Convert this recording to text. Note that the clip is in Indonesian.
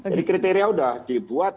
jadi kriteria sudah dibuat